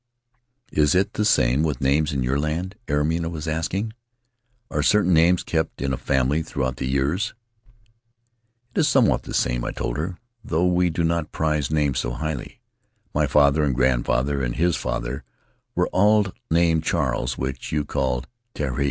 "Is it the same with names in your land?" Airima was asking. "Are certain names kept in a family throughout the years?" 'It is somewhat the same," I told her, "though we do not prize names so highly. My father and grand father and his father were all named Charles, which you call Tehari."